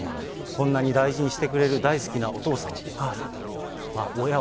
こんなに大事にしてくれる大好きなお父さん、お母さん。